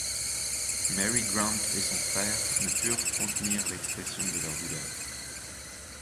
Mary Grant et son frère ne purent contenir l’expression de leur douleur.